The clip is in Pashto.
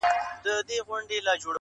پېغلي نه نيسي د اوښو پېزوانونه!.